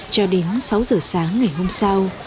cho đến sáu giờ sáng ngày hôm sau